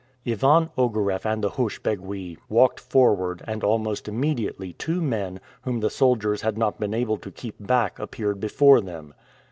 Ivan Ogareff and the housch begui walked forward and almost immediately two men, whom the soldiers had not been able to keep back appeared before them.